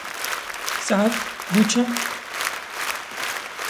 saet bû çend ?